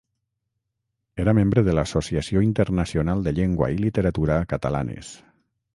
Era membre de l'Associació Internacional de Llengua i Literatura Catalanes.